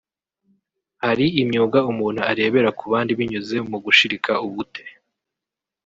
hari imyuga umuntu arebera ku bandi binyuze mu gushirika ubute